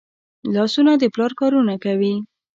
لاسونه د پلار کارونه کوي